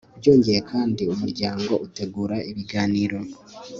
byongeye kandi, umuryango utegura ibiganiro